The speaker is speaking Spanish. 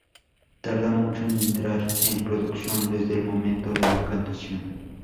Tarda mucho en entrar en producción desde el momento de la plantación.